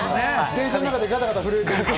電車の中でガタガタ震えて。